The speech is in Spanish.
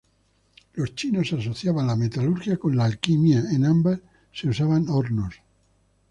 Los chinos asociaban la metalurgia con la alquimia, en ambas se usaban hornos.